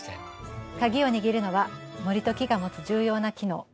鍵を握るのは森と木が持つ重要な機能。